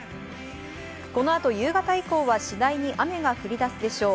この後、夕方以降は次第に雨が降り出すでしょう。